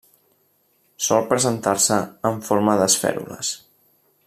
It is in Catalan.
Sol presentar-se en forma d'esfèrules.